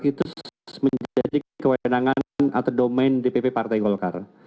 itu menjadi kewenangan atau domain dpp partai golkar